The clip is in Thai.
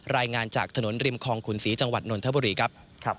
รายงานจากถนนริมคลองขุนศรีจังหวัดนนทบุรีครับ